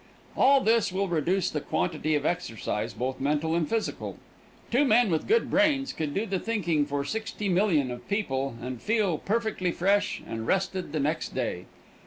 All this will reduce the quantity of exercise, both mental and physical. Two men with good brains could do the thinking for 60,000,000 of people and feel perfectly fresh and rested the next day.